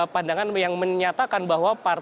pandangan yang menyatakan bahwa